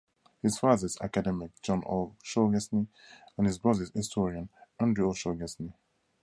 His father is academic John O'Shaughnessy and his brother is historian Andrew O'Shaughnessy.